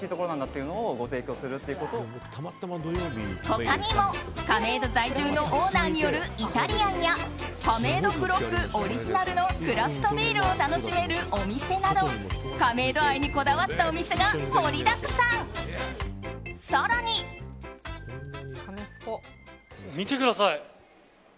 他にも亀戸在住のオーナーによるイタリアンやカメイドクロックオリジナルのクラフトビールを楽しめるお店など亀戸愛にこだわったお店が見てください。